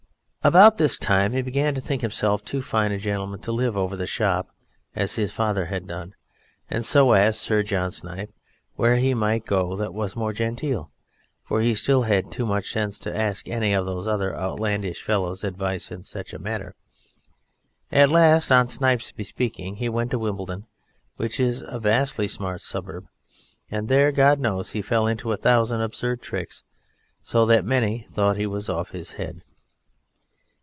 About this time he began to think himself too fine a gentleman to live over the shop as his father had done, and so asked Sir John Snipe where he might go that was more genteel; for he still had too much sense to ask any of those other outlandish fellows' advice in such a matter. At last, on Snipe's bespeaking, he went to Wimbledon, which is a vastly smart suburb, and there, God knows, he fell into a thousand absurd tricks so that many thought he was off his head.